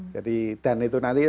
jadi dan itu nanti